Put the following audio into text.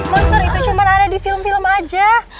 monster itu cuma ada di film film aja